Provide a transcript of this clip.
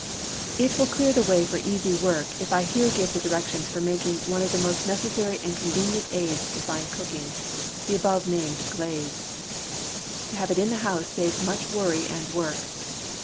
It will clear the way for easy work if I here give the directions for making one of the most necessary and convenient aids to fine cooking the above named glaze. To have it in the house saves much worry and work.